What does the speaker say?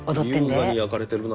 優雅に焼かれてるな。